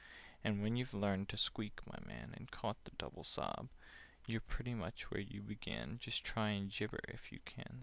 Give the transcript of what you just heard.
"And when you've learned to squeak, my man, And caught the double sob, You're pretty much where you began: Just try and gibber if you can!